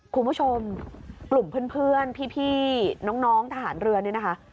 คุณผู้ชมกลุ่มเพื่อนพี่น้องทหารเรือเนี่ยนะคะ